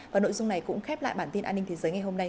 và nội dung này cũng khép lại bản tin an ninh thế giới ngày hôm nay